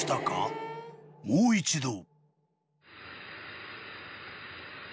［もう一度］